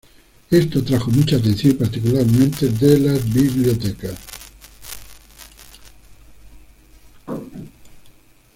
Esto atrajo mucha atención y particularmente, de las bibliotecas.